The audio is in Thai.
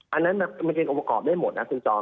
อันนั้นมันเป็น